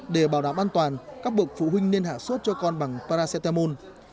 để bảo đảm an toàn các bậc phụ huynh nên hạ sốt cho con bằng paracetamol